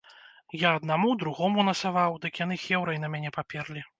Я аднаму, другому насаваў, дык яны хеўрай на мяне паперлі.